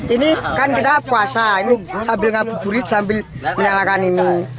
ini kan kita puasa sambil ngabur gurit sambil dinyalakan ini